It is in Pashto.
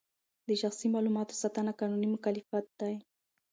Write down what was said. د شخصي معلوماتو ساتنه قانوني مکلفیت دی.